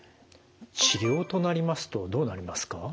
治療となりますとどうなりますか？